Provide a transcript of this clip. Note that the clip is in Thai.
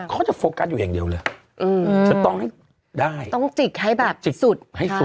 เขาจะโฟกัสอยู่อย่างเดียวเลยจะต้องให้ได้ต้องจิกให้แบบสุดให้สุด